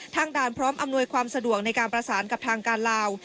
ด่านพร้อมอำนวยความสะดวกในการประสานกับทางการลาว